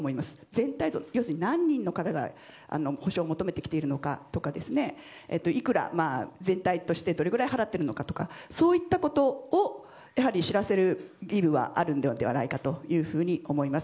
全体像、要するに何人の方が補償を求めてきているのかとか全体としてどれぐらい払っているのかということをやはり知らせる義務はあるのではないかというふうに思います。